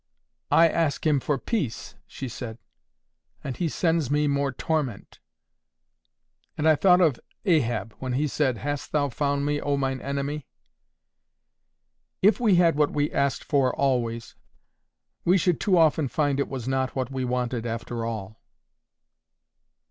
"I ask Him for peace," she said, "and He sends me more torment." And I thought of Ahab when he said, "Hast thou found me, O mine enemy?" "If we had what we asked for always, we should too often find it was not what we wanted, after all."